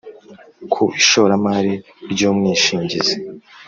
Ku ishoramari ry umwishingizi